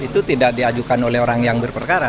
itu tidak diajukan oleh orang yang berperkara